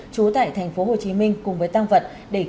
trú tại tp hcm cùng với tang vật